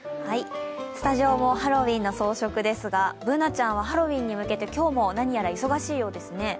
スタジオもハロウィーンの装飾ですがＢｏｏｎａちゃんはハロウィーンに向けて今日も何やら忙しいようですね。